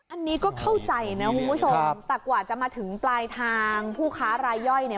อันนี้ก็เข้าใจนะคุณผู้ชมแต่กว่าจะมาถึงปลายทางผู้ค้ารายย่อยเนี่ย